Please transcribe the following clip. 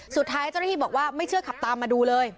สุดท้ายเจ้าหน้าที่บอกว่าไม่เชื่อขับตามมาดูเลย